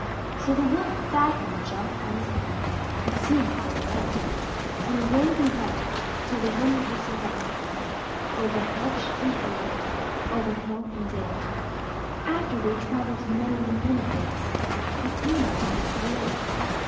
So the Wolf bade him jump on his back, he'd soon find the way; and away they went, till the wind whistled after them, over hedge and field, over hill and dale. After they had travelled many, many days, they came at last to the lake.